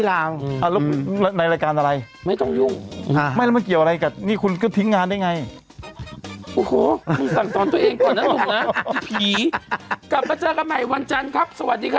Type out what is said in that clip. ฉันนานถึงกินจะอยู่สักวันนึงไม่คุณหนีงานหนี